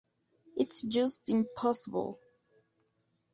It's just impossible.